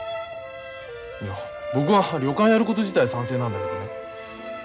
僕は旅館やること自体は賛成なんだけどね。